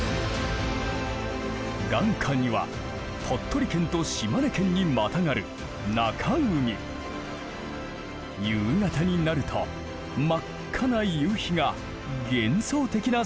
眼下には鳥取県と島根県にまたがる夕方になると真っ赤な夕日が幻想的な世界をつくりだす。